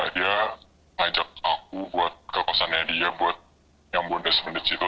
dia ajak aku buat kekosannya dia buat yang bondes mengecil itu